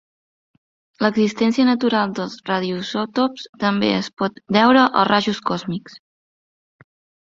L'existència natural dels radioisòtops també es pot deure als rajos còsmics.